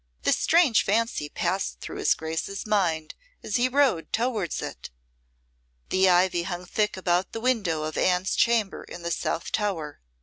This strange fancy passed through his Grace's mind as he rode towards it. The ivy hung thick about the window of Anne's chamber in the South Tower.